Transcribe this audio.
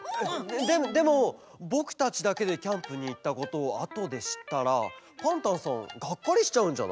ででもぼくたちだけでキャンプにいったことをあとでしったらパンタンさんがっかりしちゃうんじゃない？